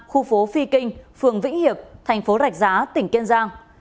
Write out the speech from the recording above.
khu phố phi kinh phường vĩnh hiệp thành phố rạch giá tỉnh kiên giang